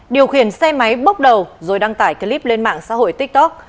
điều khiển xe máy bốc đầu rồi đăng tải clip lên mạng xã hội tiktok